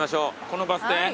このバス停？